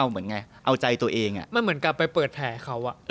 มันมีการไปเปิดแผ่เขาอ่ะ